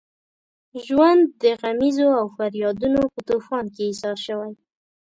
ژوند د غمیزو او فریادونو په طوفان کې ایسار شوی.